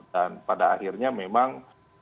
dan pada akhirnya memang